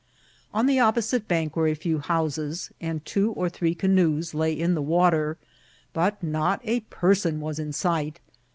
On the opposite bank were a few houses, and two or three canoes lay in the water, but not a person was in sight.